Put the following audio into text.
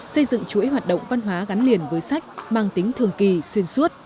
xây dựng chuỗi hoạt động văn hóa gắn liền với sách mang tính thường kỳ xuyên suốt